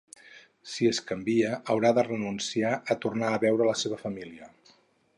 Si es canvia, haurà de renunciar a tornar a veure a la seva família.